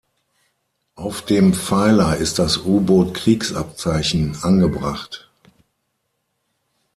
Auf dem Pfeiler ist das U-Boot-Kriegsabzeichen angebracht.